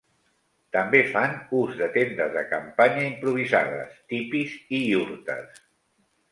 També fan ús de tendes de campanya improvisades, tipis i iurtes.